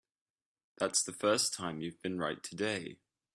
That's the first time you've been right today.